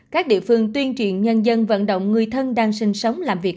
các địa phương tuyên truyền nhân dân vận động người thân đang sinh sống làm việc